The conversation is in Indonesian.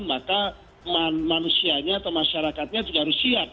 maka manusianya atau masyarakatnya juga harus siap